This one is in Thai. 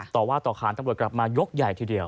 ต่อว่าต่อขานตำรวจกลับมายกใหญ่ทีเดียว